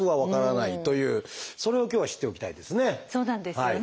そうなんですよね。